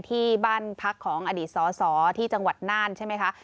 ที่บ้านพักของอดีตสอสอที่จังหวัดน่านใช่ไหมคะ